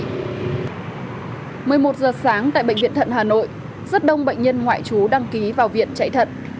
một mươi một giờ sáng tại bệnh viện thận hà nội rất đông bệnh nhân ngoại trú đăng ký vào viện chạy thận